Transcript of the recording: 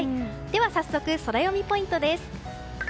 では早速ソラよみポイントです。